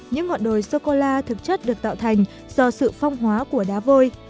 những ngọn đồi sô cô la thực chất được tạo thành do sự phong hóa của đá vôi